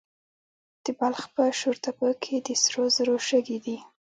د بلخ په شورتپه کې د سرو زرو شګې دي.